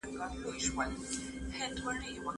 د ژوند ټولې چارې پکې روښانه دي.